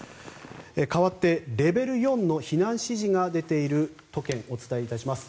かわってレベル４の避難指示が出ている都県をお伝えいたします。